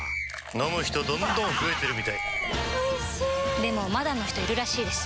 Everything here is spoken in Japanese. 飲む人どんどん増えてるみたいおいしでもまだの人いるらしいですよ